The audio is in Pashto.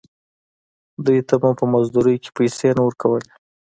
دوې ته مو په مزدورۍ کښې پيسې نه ورکولې.